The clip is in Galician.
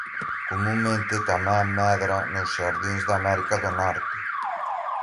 Comunmente tamén medra nos xardíns de América do Norte.